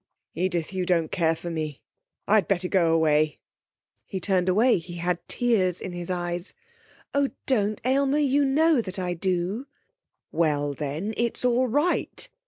'Edith, you don't care for me. I'd better go away.' He turned away; he had tears in his eyes. 'Oh, don't, Aylmer! You know I do!' 'Well, then, it's all right.